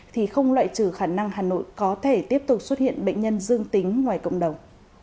thì không loại trừ khả năng hà nội có thể tiếp tục xuất hiện bệnh nhân dương tính ngoài cộng đồng